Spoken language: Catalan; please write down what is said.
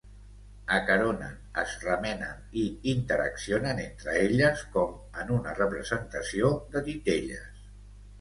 Acaronen, es remenen i interaccionen entre elles, com en una representació de titelles.